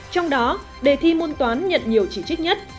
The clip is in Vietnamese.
trong đó đề thi môn toán nhận nhiều chỉ trích nhất